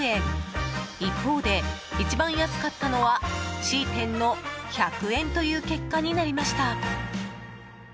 一方で、一番安かったのはＣ店の１００円という結果になりました。